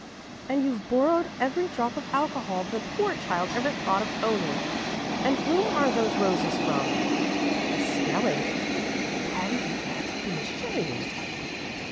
and you've borrowed every drop of alcohol the poor child ever thought of owning. And whom are those roses from? Miss Skelling! Patty, you ought to be ashamed."